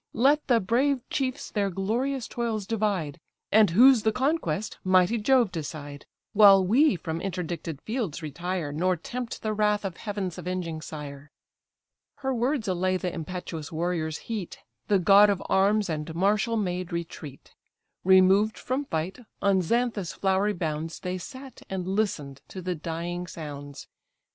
Let the brave chiefs their glorious toils divide; And whose the conquest, mighty Jove decide: While we from interdicted fields retire, Nor tempt the wrath of heaven's avenging sire." Her words allay the impetuous warrior's heat, The god of arms and martial maid retreat; Removed from fight, on Xanthus' flowery bounds They sat, and listen'd to the dying sounds.